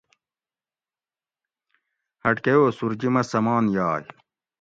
ہٹکی او سُورجِیمہ سمان یائی